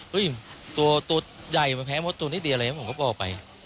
เฮ้ยตัวใหญ่แพ้หมดตัวนิดเดียวเลยผมก็บอกไป